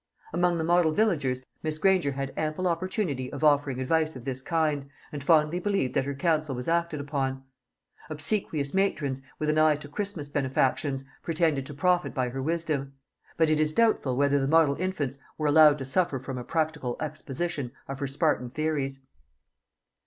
Among the model villagers Miss Granger had ample opportunity of offering advice of this kind, and fondly believed that her counsel was acted upon. Obsequious matrons, with an eye to Christmas benefactions, pretended to profit by her wisdom; but it is doubtful whether the model infants were allowed to suffer from a practical exposition of her Spartan theories.